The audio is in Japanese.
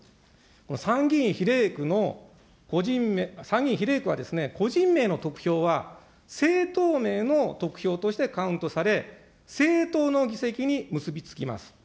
参議院比例区の、参議院比例区は、個人名の得票は政党名の得票としてカウントされ、政党の議席に結び付きます。